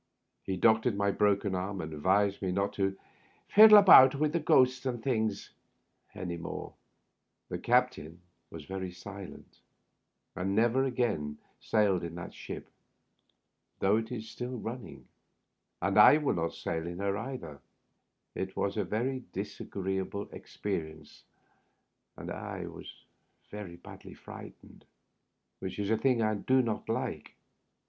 He doc tored my broken arm, and advised me not to "fiddle about with ghosts and things '' any more. The captain 8 Digitized by VjOOQIC 50 THE UPPEB BERTH. was yery Bilent^ and neyer sailed again in that ship, though it is still running. And I will not sail in her either. It was a very disagreeable experience, and I was very badly frightened, which is a thing I do not like.